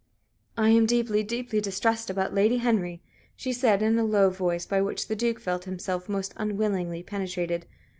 "I am deeply, deeply distressed about Lady Henry," she said, in a low voice, by which the Duke felt himself most unwillingly penetrated.